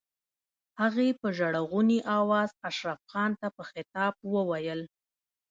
هغې په ژړغوني آواز اشرف خان ته په خطاب وويل.